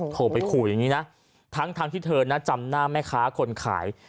โทรไปขู่อย่างนี้นะทั้งที่เธอนะจำหน้าแม่ค้าคนขาย